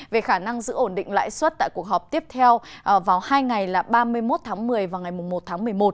về khả năng giữ ổn định lãi suất tại cuộc họp tiếp theo vào hai ngày là ba mươi một tháng một mươi và ngày một tháng một mươi một